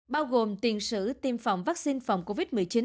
bao gồm tiền sử tiêm phòng vaccine phòng covid một mươi chín